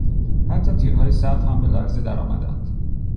حتی تیرهای سقف هم به لرزه درآمدند.